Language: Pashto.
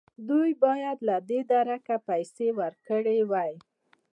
دوی باید له دې درکه پیسې ورکړې وای.